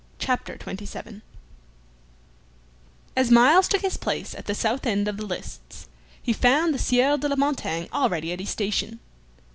CHAPTER 27 As Myles took his place at the south end of the lists, he found the Sieur de la Montaigne already at his station.